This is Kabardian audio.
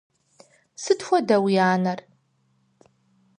Сыт хуэдэ уи анэр?